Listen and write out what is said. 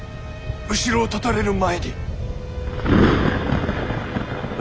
後ろを断たれる前に。